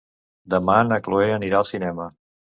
Demà na Cloè anirà al cinema.